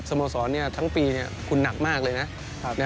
โมสรทั้งปีคุณหนักมากเลยนะ